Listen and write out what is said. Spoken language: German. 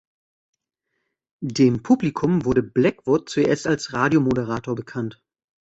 Dem Publikum wurde Blackwood zuerst als Radiomoderator bekannt.